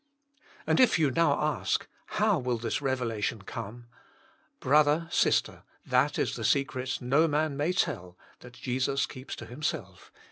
" And if you now ask, How will this revelation come ?" Brother, sister, that is the secret that no man may tell, that Jesus keeps to Himself.